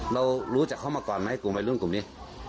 เรารู้จักเขามาก่อนไหมกลุ่มวัยรุ่นกลุ่มนี้